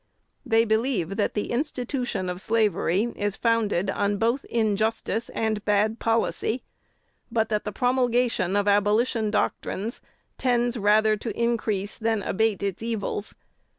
They believe that the institution of slavery is founded on both injustice and bad policy; but that the promulgation of abolition doctrines tends rather to increase than abate its evils.